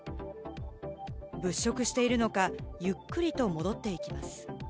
物色しているのか、ゆっくりと戻っていきます。